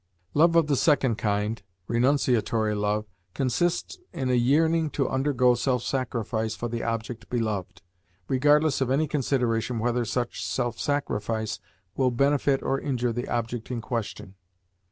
Love of the second kind renunciatory love consists in a yearning to undergo self sacrifice for the object beloved, regardless of any consideration whether such self sacrifice will benefit or injure the object in question.